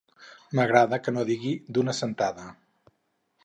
M'agrada que no digui “d'una sentada”.